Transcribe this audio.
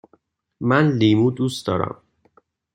من لیمو دوست دارم.